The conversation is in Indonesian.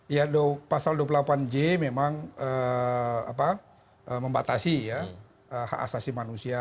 ya pasal dua puluh delapan j memang membatasi hak asasi manusia